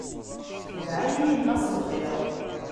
Tedɛa-yi yemma s lxir.